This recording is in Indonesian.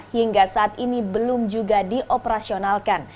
hingga saat ini belum juga dioperasionalkan